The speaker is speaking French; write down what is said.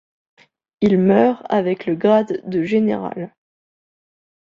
Il meurt avec le grade de général.